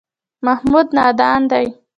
محمود نادان دی.